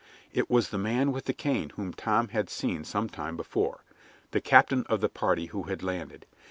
It was the man with the cane whom Tom had seen some time before the captain of the party who had landed.